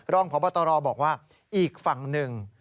รองพบตรบอกว่าอีกฝั่งหนึ่ง